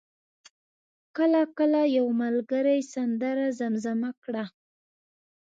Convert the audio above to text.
کله کله یو ملګری سندره زمزمه کړه.